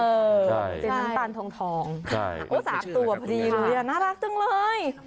เออใช่ใช่น้ำตาลทองโอ้โห๓ตัวพอดีน่ารักจังเลย